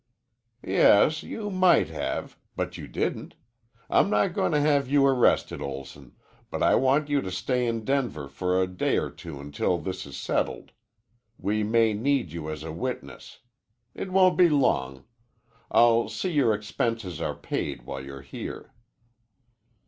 "Yes, you might have, but you didn't. I'm not goin' to have you arrested, Olson, but I want you to stay in Denver for a day or two until this is settled. We may need you as a witness. It won't be long. I'll see your expenses are paid while you're here."